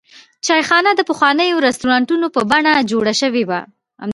چایخانه د پخوانیو رسټورانټونو په بڼه جوړه شوې وه.